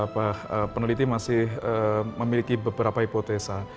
pak peneliti masih memiliki beberapa hipotesa